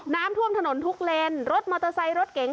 น้ำท่วมถนนทุกเลนรถมอเตอร์ไซค์รถเก๋ง